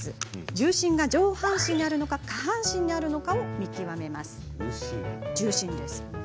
重心が上半身にあるのか下半身にあるのかを見極めます。